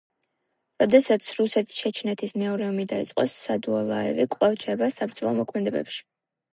როდესაც რუსეთ–ჩეჩნეთის მეორე ომი დაიწყო, სადულაევი კვლავ ჩაება საბრძოლო მოქმედებებში.